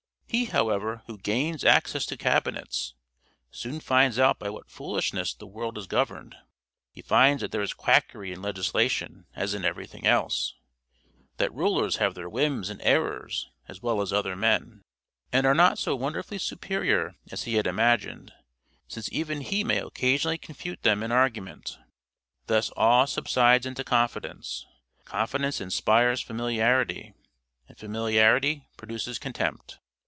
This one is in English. He, however, who gains access to cabinets, soon finds out by what foolishness the world is governed. He finds that there is quackery in legislation as in everything else; that rulers have their whims and errors as well as other men, and are not so wonderfully superior as he had imagined, since even he may occasionally confute them in argument. Thus awe subsides into confidence, confidence inspires familiarity, and familiarity produces contempt.